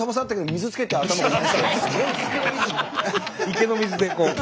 池の水でこう。